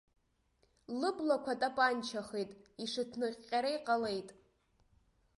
Лыблақәа тапанчахеит, ишынҭыҟьҟьара иҟалеит.